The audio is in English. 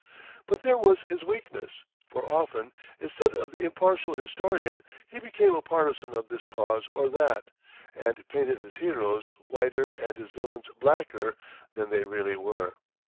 But there was his weakness; for often, instead of the impartial historian, he became a partisan of this cause or that, and painted his heroes whiter and his villains blacker than they really were.